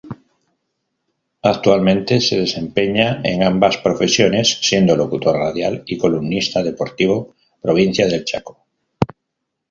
Actualmente, se desempeña en ambas profesiones, siendo locutor radial y columnista deportivo. Provincia del Chaco.